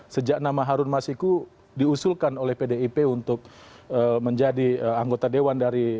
sejak nama harun masiku diusulkan oleh pdip untuk menjadi anggota dewan dari